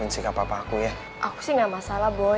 ini kan jam istirahat sekolahnya boy